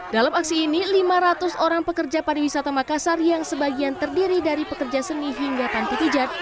dalam aksi ini lima ratus orang pekerja pariwisata makassar yang sebagian terdiri dari pekerja seni hingga panti pijat